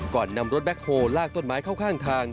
ก่อนนำรถแบ็คโฮลลากต้นไม้เข้าข้างทาง